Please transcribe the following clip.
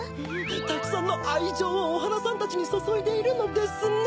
たくさんのあいじょうをおはなさんたちにそそいでいるのですね！